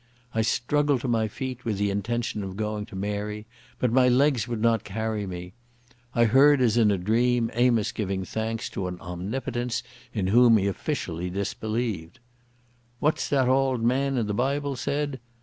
I struggled to my feet with the intention of going to Mary, but my legs would not carry me.... I heard as in a dream Amos giving thanks to an Omnipotence in whom he officially disbelieved. "What's that the auld man in the Bible said?